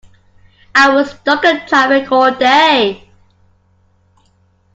I was stuck in traffic all day!